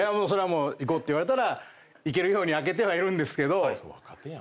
もう行こうって言われたら行けるように空けてはいるんですけど。